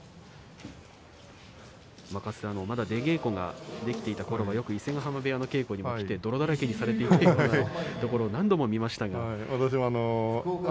まだ出稽古ができていたときは伊勢ヶ濱部屋によく稽古に来て泥だらけになっているところを何度も見ました。